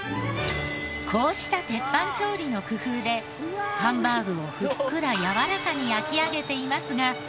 こうした鉄板調理の工夫でハンバーグをふっくらやわらかに焼き上げていますが。